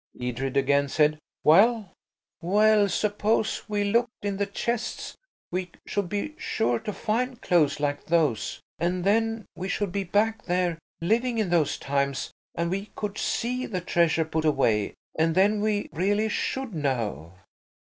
Edred again said, "Well–?" "Well–suppose we looked in the chests we should be sure to find clothes like those, and then we should be back there–living in those times, and we could see the treasure put away, and then we really should know."